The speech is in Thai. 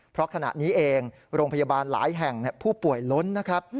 เพราะขณะนี้เองโรงพยาบาลหลายแห่งผู้ป่วยล้นนะครับ